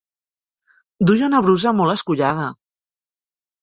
Duia una brusa molt escollada.